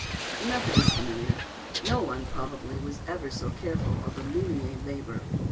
The method is familiar. No one, probably, ever was so careful of the "limae labor."